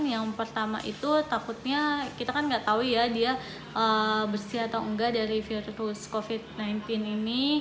yang pertama itu takutnya kita kan nggak tahu ya dia bersih atau enggak dari virus covid sembilan belas ini